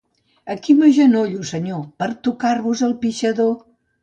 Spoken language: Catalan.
Aquí m'agenollo, Senyor, per tocar-vos el pixador.